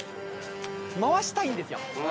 回したいんですよ。